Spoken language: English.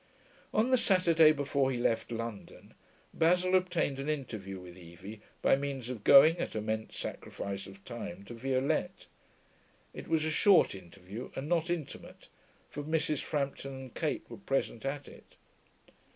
On the Saturday before he left London, Basil obtained an interview with Evie, by means of going, at immense sacrifice of time, to Violette. It was a short interview, and not intimate, for Mrs. Frampton and Kate were present at it.